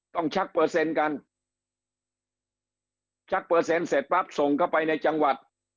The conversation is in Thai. ชักเปอร์เซ็นต์กันชักเปอร์เซ็นต์เสร็จปั๊บส่งเข้าไปในจังหวัด